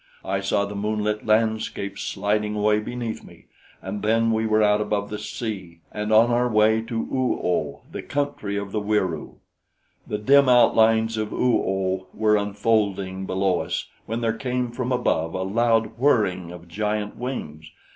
I saw the moonlit landscape sliding away beneath me, and then we were out above the sea and on our way to Oo oh, the country of the Wieroo. "The dim outlines of Oo oh were unfolding below us when there came from above a loud whirring of giant wings.